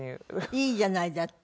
いいじゃないだって。